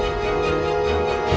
tante itu sudah berubah